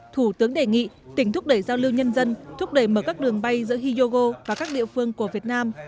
thủ tướng đề nghị tỉnh thúc đẩy giao lưu nhân dân thúc đẩy mở các đường bay giữa hyogo và các địa phương của việt nam